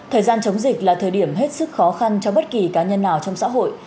thời gian chống dịch là thời điểm hết sức khó khăn cho bất kỳ cá nhân nào trong xã hội